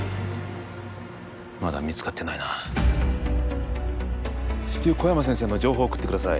まだ見つかってないな至急小山先生の情報を送ってください